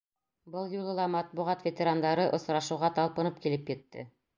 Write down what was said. Был юлы ла матбуғат ветерандары осрашыуға талпынып килеп етте.